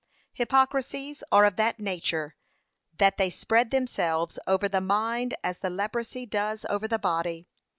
'Hypocrisies are of that nature, that they spread themselves over the mind as the leprosy does over the body.